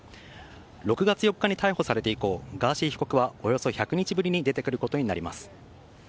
６月４日に逮捕されて以降ガーシー被告はおよそ１００日ぶりに出てくることになります。